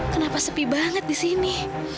kenapa sepi banget disini